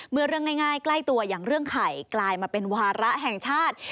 เรื่องง่ายใกล้ตัวอย่างเรื่องไข่กลายมาเป็นวาระแห่งชาติ